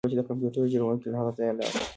تر هغه چې د کمپیوټر جوړونکی له هغه ځایه لاړ